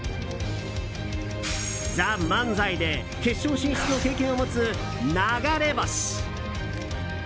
「ＴＨＥＭＡＮＺＡＩ」で決勝進出の経験を持つ流れ星☆！